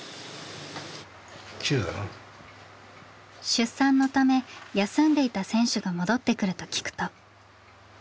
出産のため休んでいた選手が戻ってくると聞くと。